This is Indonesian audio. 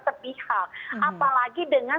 sepihak apalagi dengan